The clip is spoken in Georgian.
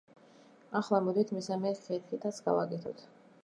ახლა მოდით მესამე ხერხითაც გავაკეთოთ.